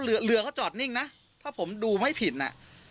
เรือเรือก็จอดนิ่งนะถ้าผมดูไม่ผิดน่ะ